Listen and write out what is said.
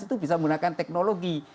itu bisa menggunakan teknologi